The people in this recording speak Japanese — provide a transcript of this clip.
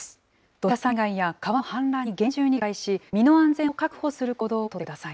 土砂災害や川の氾濫に厳重に警戒し、身の安全を確保する行動を取ってください。